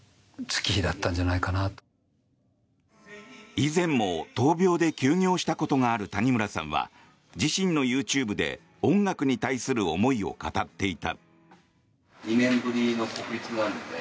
以前も闘病で休業したことがある谷村さんは自身のＹｏｕＴｕｂｅで音楽に対する思いを語っていた。